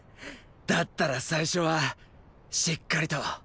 だったら最初はしっかりとーー。